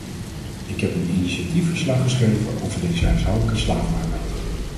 Ik heb een initiatiefverslag geschreven over deze huishoudelijke slavenarbeid.